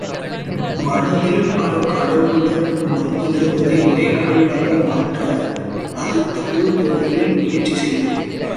மனத்தில் பல கடவுளர் பக்தி இருந்ததை ஒரே கடவுளாக மாற்ற அது தத்துவத் துறையில் முயற்சி செய்தது.